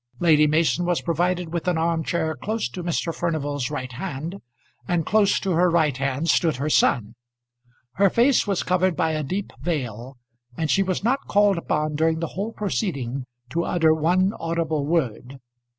Lady Mason was provided with an arm chair close to Mr. Furnival's right hand, and close to her right hand stood her son. Her face was covered by a deep veil, and she was not called upon during the whole proceeding to utter one audible word.